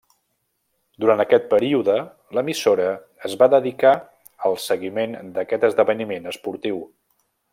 Durant aquest període l'emissora es va dedicar al seguiment d'aquest esdeveniment esportiu.